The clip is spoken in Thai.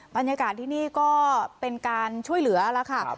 บรรยากาศที่นี่ก็เป็นการช่วยเหลือแล้วค่ะ